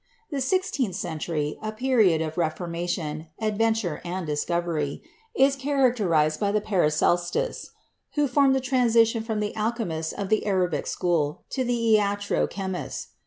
The sixteenth century, a period of reformation, adven ture and discovery, is characterized by the Paracelsists, who formed a transition from the alchemists of the Arabic school to the iatro chemists.